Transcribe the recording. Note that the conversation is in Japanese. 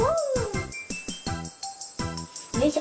よいしょ。